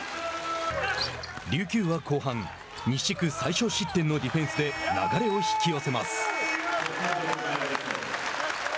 琉球は後半西地区最少失点のディフェンスで流れを引き寄せます。